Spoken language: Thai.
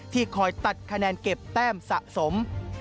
คอยตัดคะแนนเก็บแต้มสะสม